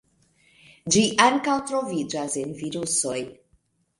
Ĝi ankaŭ troviĝas en virusoj.